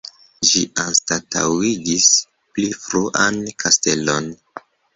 Ĝi anstataŭigis pli fruan kastelon.